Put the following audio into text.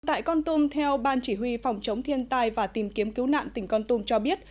tại con tum theo ban chỉ huy phòng chống thiên tai và tìm kiếm cứu nạn tỉnh con tum cho biết